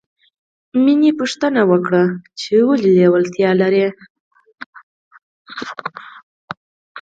مینې پوښتنه وکړه چې ولې لېوالتیا لرې